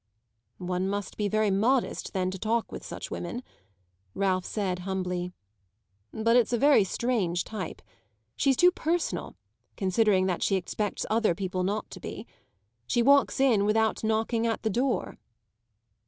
"One must be very modest then to talk with such women," Ralph said humbly. "But it's a very strange type. She's too personal considering that she expects other people not to be. She walks in without knocking at the door."